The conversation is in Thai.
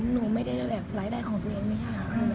หนูไม่ได้แบบหลายใดของตัวเองนะครับ